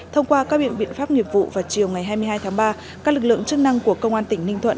thông qua các biện pháp nghiệp vụ vào chiều ngày hai mươi hai tháng ba các lực lượng chức năng của công an tỉnh ninh thuận